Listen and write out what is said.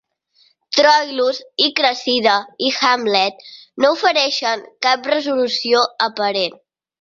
"Troilus i Cressida" i "Hamlet" no ofereixen cap resolució aparent.